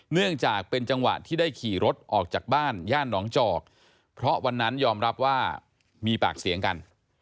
เนื่องจากเป็นจังหวะที่ได้ขี่รถออกจากบ้านย่านหนองจอกเพราะวันนั้นยอมรับว่ามีปากเสียงกัน